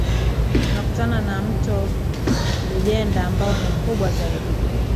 Unakutana na mto Lujenda ambao ni mkubwa zaidi